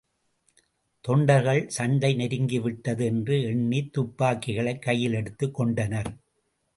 தொண்டர்கள் சண்டை நெருங்கி விட்டது என்று எண்ணித் துப்பாக்கிகளைக் கையிலெடுத்துக் கொண்டனர்.